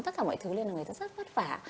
tất cả mọi thứ nên là người ta rất vất vả